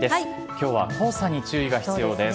今日は黄砂に注意が必要です。